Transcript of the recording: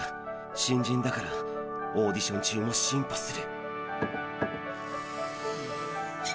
新人だからオーディション中も進歩する。